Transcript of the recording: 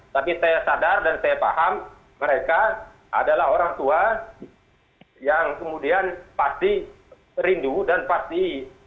tapi saya sadar dan saya paham mereka adalah orang tua yang kemudian pasti rindu dan pasti